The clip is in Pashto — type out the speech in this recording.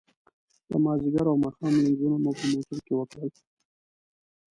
د ماذيګر او ماښام لمونځونه مو په موټر کې وکړل.